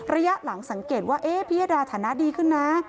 ระยะหลังสังเกตว่าพิยดาฐานะดีขึ้นนะ